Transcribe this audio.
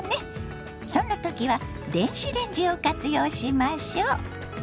そんな時は電子レンジを活用しましょ。